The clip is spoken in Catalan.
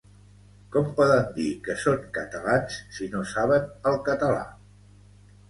Com poden dir que són catalans si no saben el català